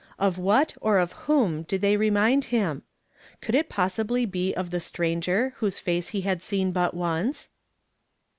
Of what or of whom tlid they remind him? C'onld it possihly be of the stranger whose face he iiad seen but once